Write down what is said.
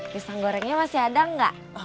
pisang gorengnya masih ada nggak